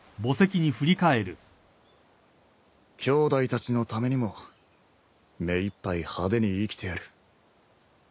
きょうだいたちのためにも目いっぱい派手に生きてやる。